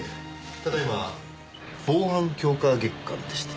ただ今防犯強化月間でして。